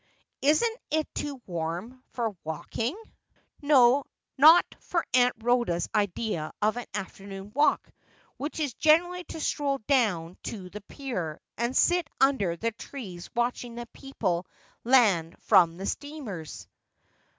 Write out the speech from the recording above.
' Isn't it too warm for walking ?' 358 Asphodel. ' Not for Aunt Rhoda's idea of an afternoon walk, which is generally to stroll down to the pier, and sit under the trees watching the people land from the steamers.'